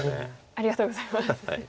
ありがとうございます。